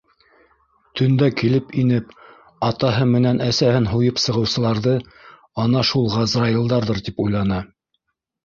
Төндә килеп инеп, атаһы менән әсәһен һуйып сығыусыларҙы ана шул ғазраилдарҙыр тип уйланы.